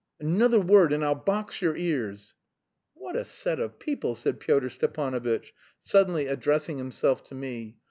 "Another word and I'll box your ears." "What a set of people!" said Pyotr Stepanovitch, suddenly addressing himself to me.